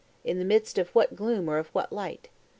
In the midst of what gloom or of what light?